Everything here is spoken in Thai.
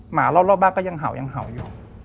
หมารอบบ้านก็ยังเห่ายังเห่าอยู่